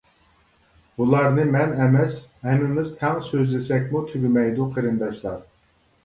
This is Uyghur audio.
بۇلارنى مەن ئەمەس ھەممىز تەڭ سۆزلىسەكمۇ تۈگىمەيدۇ قېرىنداشلار!